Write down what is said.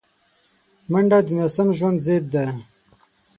منډه د ناسم ژوند ضد ده